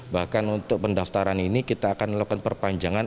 bahkan untuk pendaftaran ini kita akan melakukan perpanjangan